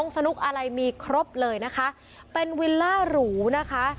สนุกอะไรมีครบเลยนะคะเป็นวิลล่าหรูนะคะ